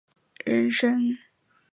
人生就是一个人的生活